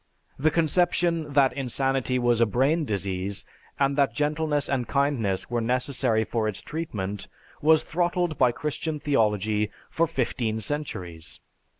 The conception that insanity was a brain disease, and that gentleness and kindness were necessary for its treatment, was throttled by Christian theology for fifteen centuries.